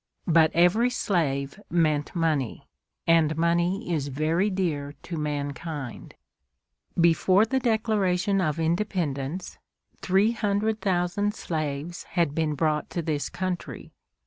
But every slave meant money, and money is very dear to mankind. [Illustration: WILLIAM LLOYD GARRISON.] Before the Declaration of Independence, three hundred thousand slaves had been brought to this country.